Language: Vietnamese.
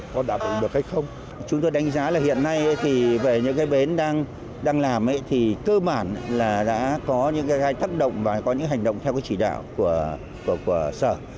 các doanh nghiệp đang làm thì cơ bản là đã có những cái thấp động và có những hành động theo cái chỉ đạo của sở